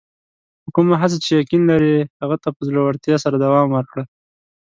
په کومه هڅه چې یقین لرې، هغه ته په زړۀ ورتیا سره دوام ورکړه.